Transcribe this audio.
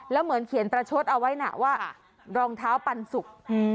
แล้วเหมือนเขียนประชดเอาไว้นะว่ารองเท้าปันสุก